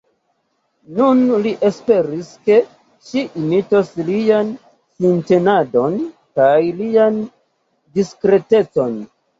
Nun li esperis, ke ŝi imitos lian sintenadon kaj lian diskretecon.